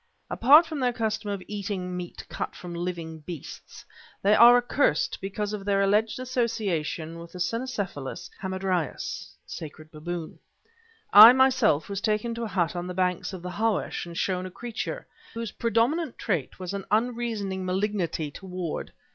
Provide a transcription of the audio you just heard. Apart from their custom of eating meat cut from living beasts, they are accursed because of their alleged association with the Cynocephalus hamadryas (Sacred Baboon). I, myself, was taken to a hut on the banks of the Hawash and shown a creature... whose predominant trait was an unreasoning malignity toward...